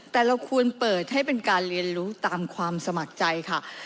แต่เราควรเปิดให้เป็นการเรียนรู้ตามความสมัครใจค่ะ